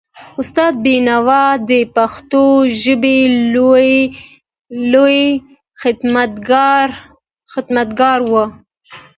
استاد بینوا د پښتو ژبې لوی خدمتګار و.